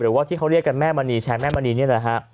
หรือว่าที่เขาเรียกกันแม่มณีแชร์แม่มณีนี่แหละฮะ